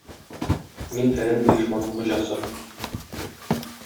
Мин фәлән оешманың хуҗасы.